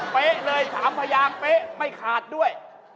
เป๊ะเลยถามพยางเป๊ะไม่ขาดด้วย